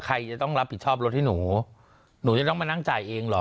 ใครจะต้องรับผิดชอบรถให้หนูหนูจะต้องมานั่งจ่ายเองเหรอ